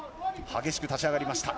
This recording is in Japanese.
激しく立ち上がりました。